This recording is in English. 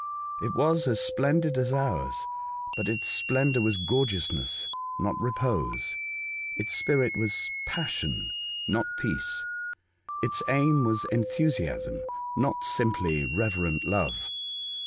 It was as splendid as ours, but its splendour was gorgeousness, not repose; its spirit was passion, not peace ; its aim was enthusiasm, not simple reverent love.